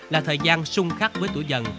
là thời gian sung khắc với tuổi dần